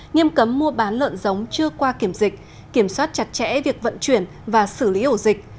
nghiêm cấm mua bán lợn giống chưa qua kiểm dịch kiểm soát chặt chẽ việc vận chuyển và xử lý ổ dịch